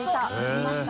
見ました。